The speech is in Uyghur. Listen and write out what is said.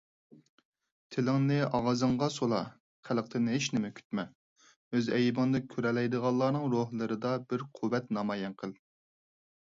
تىلىڭنى ئاغزىڭغا سولا، خەلقتىن ھېچنېمە كۈتمە، ئۆز ئەيىبىڭنى كۆرەلەيدىغانلارنىڭ روھلىرىدا بىر قۇۋۋەت نامايان قىل.